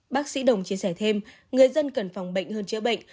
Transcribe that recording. bác sĩ đồng chia sẻ thêm người dân cần phòng bệnh hơn chữa bệnh